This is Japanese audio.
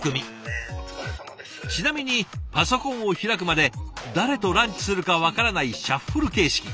ちなみにパソコンを開くまで誰とランチするか分からないシャッフル形式。